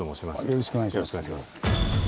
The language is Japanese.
よろしくお願いします。